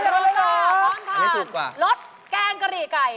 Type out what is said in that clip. ต่อพร้อมทานรสแกงกะหรี่ไก่